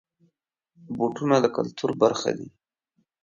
بوټونه د کلتور برخه دي.